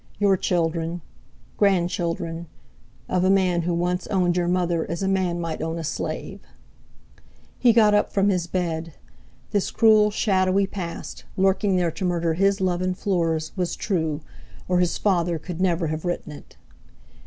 your children.... grandchildren.... of a man who once owned your mother as a man might own a slave...." He got up from his bed. This cruel shadowy past, lurking there to murder his love and Fleur's, was true, or his father could never have written it.